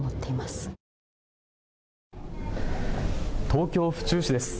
東京府中市です。